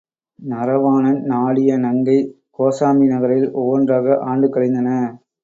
நரவாணன் நாடிய நங்கை கோசாம்பி நகரில் ஒவ்வொன்றாக ஆண்டுகள் கழிந்தன.